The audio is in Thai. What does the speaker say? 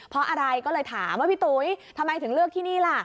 เพราะอะไรก็เลยถามว่าพี่ตุ๋ยทำไมถึงเลือกที่นี่ล่ะ